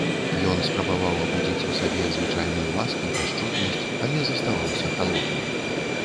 Ён спрабаваў абудзіць у сабе звычайную ласку, пяшчотнасць, але заставаўся халодны.